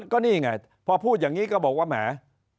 ก็นี่ไงพอพูดอย่างนี้ก็บอกว่าแหม